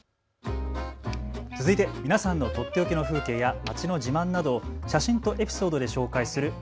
続いて皆さんのとっておきの風景や街の自慢などを写真とエピソードで紹介する＃